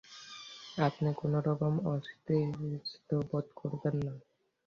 আপনি কোনো রকম অস্বস্তি বোধ করবেন না।